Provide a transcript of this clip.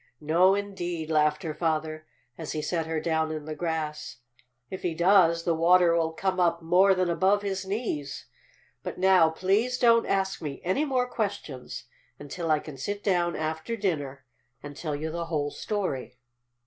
"No, indeed!" laughed her father, as he set her down in the grass. "If he does the water will come up more than above his knees. But now please don't ask me any more questions until I can sit down after dinner and tell you the whole story."